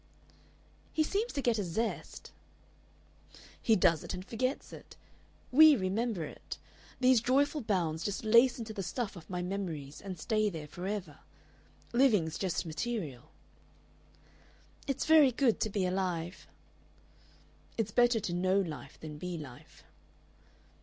"He seems to get a zest " "He does it and forgets it. We remember it. These joyful bounds just lace into the stuff of my memories and stay there forever. Living's just material." "It's very good to be alive." "It's better to know life than be life."